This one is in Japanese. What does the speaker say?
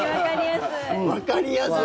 わかりやすい。